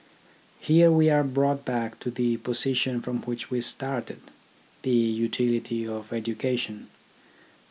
Here we are brought back to the position from which we started, the utility of education.